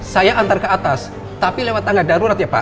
saya antar ke atas tapi lewat tangga darurat ya pak